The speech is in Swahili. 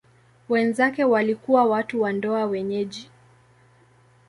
Wenzake walikuwa watu wa ndoa wenyeji.